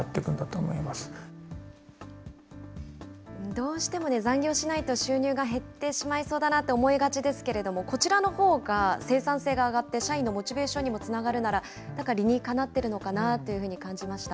どうしても残業しないと収入が減ってしまいそうだなと思いがちですけれども、こちらのほうが生産性が上がって、社員のモチベーションにもつながるなら、なんか理にかなってるのかなというふうに感じました。